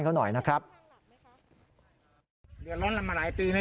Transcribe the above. เคยร้องนี่เลยแต่ร้องผู้ใหญ่บ้านเขาก็ไม่สนใจ